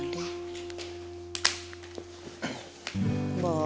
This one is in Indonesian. tiga puluh tambah dua puluh